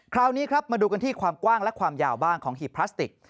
คราวนี้ครับมาดูกันที่ความกว้างและความยาวบ้างของหีบพลาสติก